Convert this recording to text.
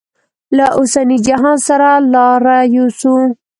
له اوسني جهان سره لاره یوسو.